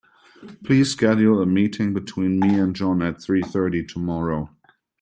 Please schedule a meeting between me and John at three thirty tomorrow.